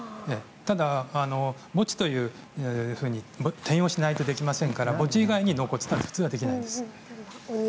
ただ、墓地というふうに転用しないとできませんから墓地以外に納骨は普通はできないです。